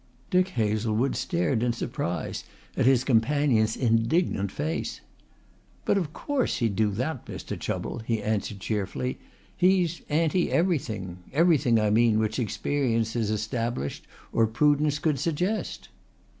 Dick Hazlewood stared in surprise at his companion's indignant face. "But of course he'd do that, Mr. Chubble," he answered cheerfully. "He's anti everything everything, I mean, which experience has established or prudence could suggest."